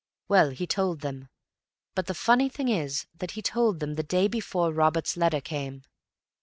Well, he told them. But the funny thing is that he told them the day before Robert's letter came.